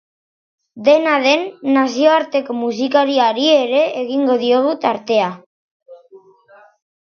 Dena den, nazioarteko musikari ere egingo diogu tartea.